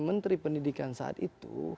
menteri pendidikan saat itu